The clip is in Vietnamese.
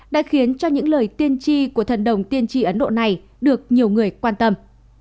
đã khiến cho những lời tiên tri của thần đồng tiên tri ấn độ này được nhiều người quan tâm